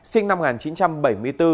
sinh năm một nghìn chín trăm bảy mươi bốn